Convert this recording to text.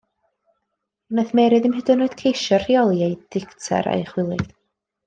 Wnaeth Mary ddim hyd yn oed ceisio rheoli ei dicter a'i chywilydd.